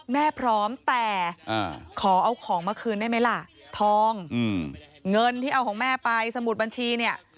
พร้อมแต่ขอเอาของมาคืนได้ไหมล่ะทองเงินที่เอาของแม่ไปสมุดบัญชีเนี่ย